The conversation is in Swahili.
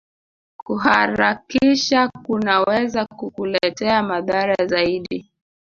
Kuharakisha kunaweza kukuletea madhara zaidi